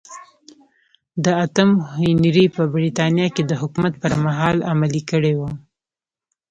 د اتم هنري په برېټانیا کې د حکومت پرمهال عملي کړې وه.